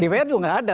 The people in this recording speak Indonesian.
dpr juga enggak ada